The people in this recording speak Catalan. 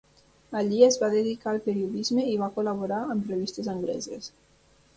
Allí es va dedicar al periodisme i va col·laborar amb revistes angleses.